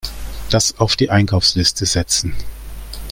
Das auf die Einkaufsliste setzen.